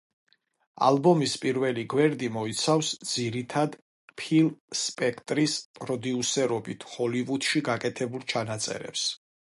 ალბომის პირველი გვერდი მოიცავს ძირითადად ფილ სპექტორის პროდიუსერობით ჰოლივუდში გაკეთებულ ჩანაწერებს.